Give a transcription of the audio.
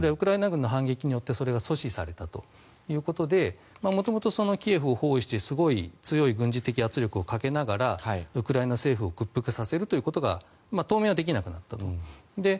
ウクライナ軍の反撃によってそれを阻止されたということで元ともキエフを占拠してすごい強い軍事的圧力をかけながらウクライナ軍を屈服させることが当面はできなくなったと。